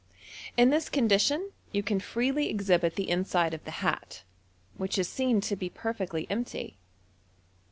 In this condition you can freely exhibit the inside of the hat, which is seen to be perfectly empty.